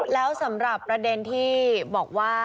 แล้วสำหรับประเด็นที่บอกว่า